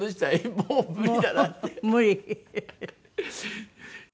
もう無理？